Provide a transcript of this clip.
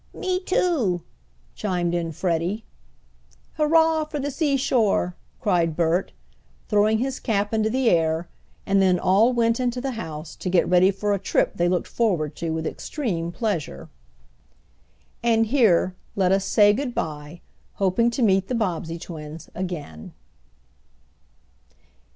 "Me too!" chimed in Freddie. "Hurrah for the seashore!" cried Bert, throwing his cap into the air, and then all went into the house, to get ready for a trip they looked forward to with extreme pleasure. And here let us say good bye, hoping to meet the Bobbsey Twins again.